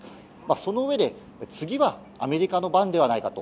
そのうえで次はアメリカの番ではないかと。